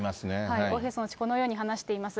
オ・ヘソン氏、このように話しています。